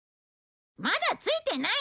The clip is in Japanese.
まだ着いてない？